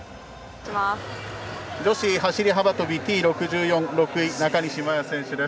女子走り幅跳びＴ６４で６位、中西麻耶選手です。